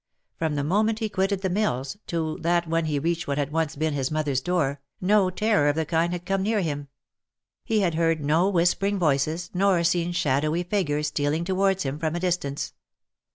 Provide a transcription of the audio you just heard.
From the moment he quitted the mills, to that when he reached what had once been his mother's door, no terror of the kind had come near him ; he had heard no whispering voices, nor seen shadowy figures stealing towards him from a distance.